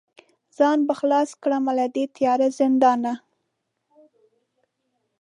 ځان به خلاص کړمه له دې تیاره زندانه